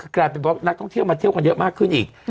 กลายเป็นว่านักท่องเที่ยวมาเที่ยวกันเยอะมากขึ้นอีก